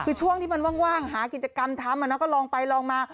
คือช่วงที่มันว่างหากิจกรรมทำก็ลองไปลองมา